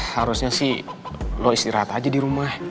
harusnya sih lo istirahat aja dirumah